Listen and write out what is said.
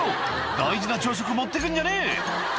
大事な朝食持ってくんじゃねえ！」